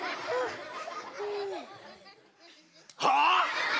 はあ！？